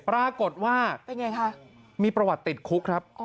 ปรากฏว่ามีประวัติติดคุกครับ